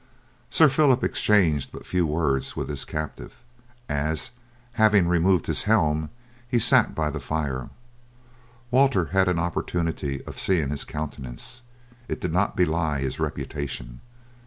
Sir Phillip exchanged but few words with his captive; as, having removed his helm, he sat by the fire, Walter had an opportunity of seeing his countenance. It did not belie his reputation.